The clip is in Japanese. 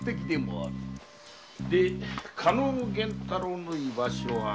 で加納源太郎の居場所は？